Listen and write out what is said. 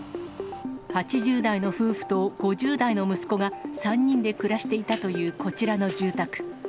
８０代の夫婦と、５０代の息子が３人で暮らしていたというこちらの住宅。